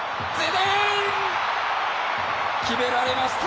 決められました。